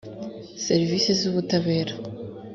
serivisi z ubutabera